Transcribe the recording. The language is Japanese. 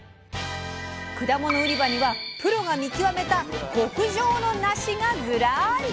果物売り場にはプロが見極めた極上のなしがズラーリ！